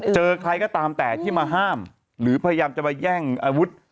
เจอใครก็ตามแต่ที่มาห้ามหรือพยายามจะมาแย่งอาวุธ